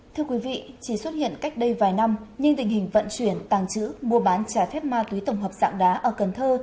thưa quý vị chỉ xuất hiện cách đây vài năm nhưng tình hình vận chuyển tàng trữ mua bán trái phép ma túy tổng hợp dạng đá ở cần thơ